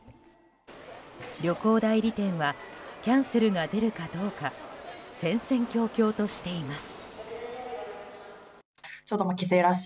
旅行代理店はキャンセルが出るかどうか戦々恐々としています。